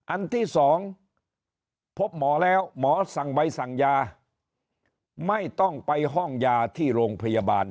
อันที่สองพบหมอแล้วหมอสั่งใบสั่งยาไม่ต้องไปห้องยาที่โรงพยาบาล